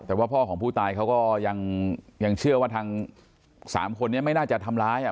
แต่ว่าพ่อของผู้ตายเขาก็ยังเชื่อว่าทางสามคนนี้ไม่น่าจะทำร้ายอ่ะ